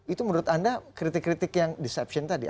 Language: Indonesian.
itu menurut anda kritik kritik yang deception tadi